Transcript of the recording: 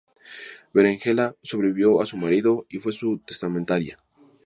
Berenguela sobrevivió a su marido y fue su testamentaria.